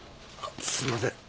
すんません。